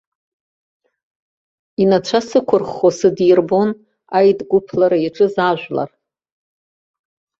Инацәа сықәырххо сыдирбон, аидгәыԥлара иаҿыз ажәлар.